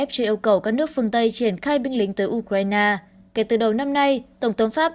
có nước phương tây triển khai binh lính tới ukraine kể từ đầu năm nay tổng thống pháp